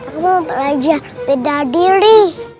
aku mau belajar beda diri